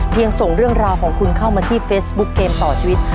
ส่งเรื่องราวของคุณเข้ามาที่เฟซบุ๊คเกมต่อชีวิต